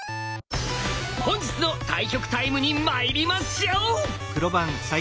本日の対局タイムにまいりましょう！